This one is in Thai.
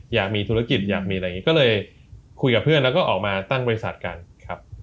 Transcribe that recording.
อยากมีธุรกิจอยากมีอะไรอย่างนี้ก็เลยคุยกับเพื่อนแล้วก็ออกมาตั้งบริษัทกันครับ